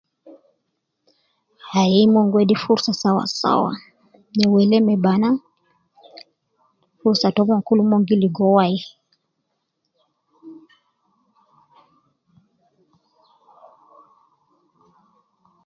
Ayi umon gi wedi fususa sawasawa ,ne wele ma bana, furusatomon, kulu umon gi logo wayi.